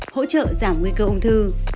hỗ trợ giảm nguy cơ ung thư